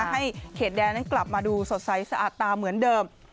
ให้เขตแดนนั้นกลับมาดูสดใสสะอาดตาเหมือนเดิม